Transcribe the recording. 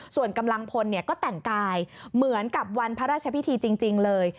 ส่วนกำลังพลก็แต่งกายเหมือนกับวันพระราชพิธีจริงเลย